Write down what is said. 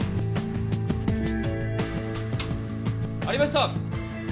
・ありました！